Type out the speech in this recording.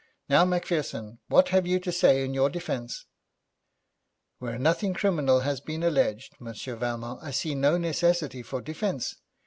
Now, Macpherson, what have you to say in your defence?' 'Where nothing criminal has been alleged, Monsieur Valmont, I see no necessity for defence.